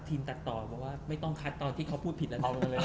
ตัดต่อบอกว่าไม่ต้องคัดตอนที่เขาพูดผิดแล้วโดนเลย